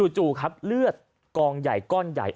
จู่ครับเลือดกองใหญ่ก้อนใหญ่